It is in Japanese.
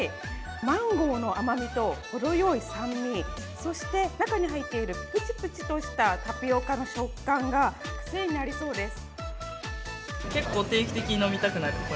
マンゴーの甘みと程良い酸味、そして中に入っているプチプチとしたタピオカの食感が癖になりそうです。